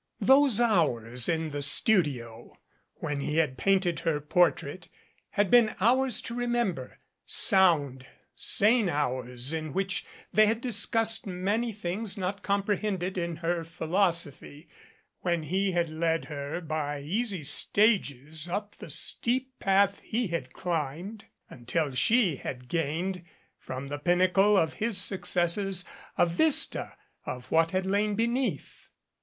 Those hours in the studio when he had painted her portrait had been hours to remember, sound, sane hours in which they had discussed many things not comprehended in her philosophy, when he had led her by easy stages up the steep path he had climbed until she had gained, from the pinnacle of his successes, a vista of what had lain beneath.